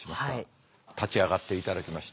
立ち上がっていただきまして。